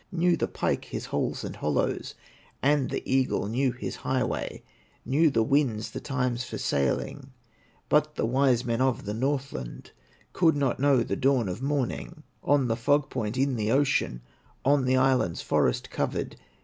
Knew the pike his holes and hollows, And the eagle knew his highway, Knew the winds the times for sailing; But the wise men of the Northland Could not know the dawn of morning, On the fog point in the ocean, On the islands forest covered.